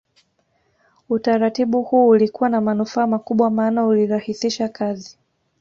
Utaratibu huu ulikuwa na manufaa makubwa maana ulirahisisha kazi